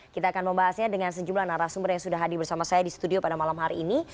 kita akan membahasnya dengan sejumlah narasumber yang sudah hadir bersama saya di studio pada malam hari ini